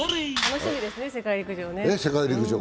楽しみですね、世界陸上。